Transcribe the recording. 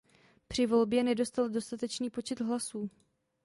Při volbě nedostal dostatečný počet hlasů.